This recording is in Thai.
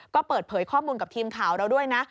ก็เปิดเผยข้อมูลกับทีมข่าวเราด้วยนะ